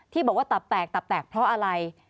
ที่บอกว่าตับแตกตับแตกเพราะอะไร